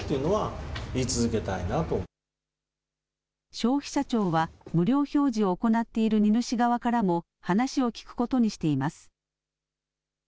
消費者庁は無料表示を行っている荷主側からも話を聞くことにしています。